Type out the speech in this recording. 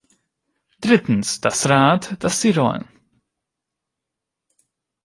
Drittens, das Rad, das sie rollen.